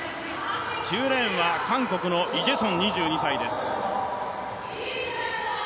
９レーンは韓国のイ・ジェソン２８歳です。